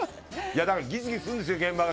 ギスギスするんです、現場が。